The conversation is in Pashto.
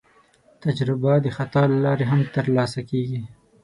تجربه د خطا له لارې هم ترلاسه کېږي.